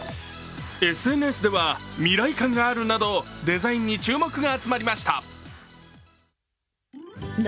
ＳＮＳでは未来感があるなどデザインに注目が集まりました。